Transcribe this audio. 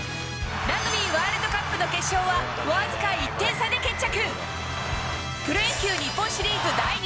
ラグビーワールドカップの決勝は、僅か１点差で決着。